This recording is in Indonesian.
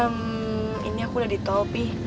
ehm ini aku udah di tol pi